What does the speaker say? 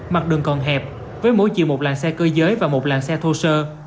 mặt đường còn hẹp với mỗi chiều một làn xe cơ giới và một làng xe thô sơ